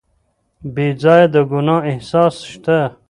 بې ځایه د ګناه احساس شته.